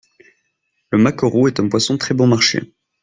Le maquereau est un poisson très bon marché.